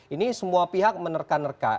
ini semua pihak menerka nerka